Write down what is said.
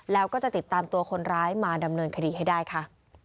แล้วก็จะติดตามตัวคนร้ายมาดำเนินคดีให้ได้ค่ะ